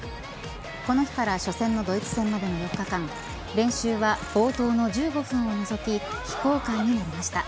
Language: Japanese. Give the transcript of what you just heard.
この日から初戦のドイツ戦までの４日間練習は冒頭の１５分を除き非公開になりました。